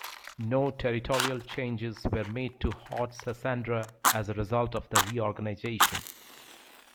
No territorial changes were made to Haut-Sassandra as a result of the reorganisation.